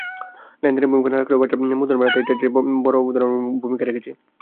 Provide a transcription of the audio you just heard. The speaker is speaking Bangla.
লেনদেনে ভূমিকা না রাখলেও বাজার মূলধন বাড়াতে এই ট্রেজারি বন্ডগুলো বড় ধরনের ভূমিকা রেখেছে।